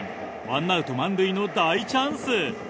ワンアウト満塁の大チャンス。